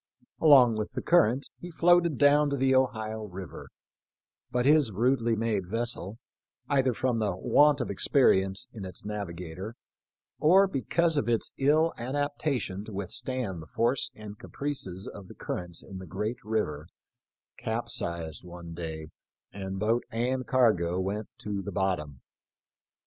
Along with the current he floated down to the Ohio river, but his rudely made vessel, either from the want of experience in its navigator, or because of its ill adaptation to withstand the force and caprices of the currents in the great river, capsized one day, and boat and cargo went to the bottom.